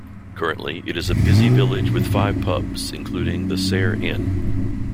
Currently, it is a busy village with five pubs, including the "Sair Inn".